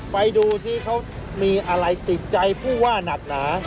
ไปดูที่เขามีอะไรติดใจผู้ว่าหนักหนา